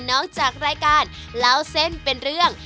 จากรายการเล่าเส้นเป็นเรื่อง